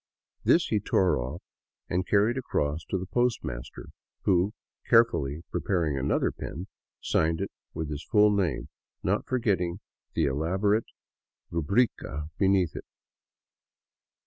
This he tore off and carried across to the postmaster who, carefully preparing another pen, signed it with his full name, not forgetting the elaborate ruhrica beneath it.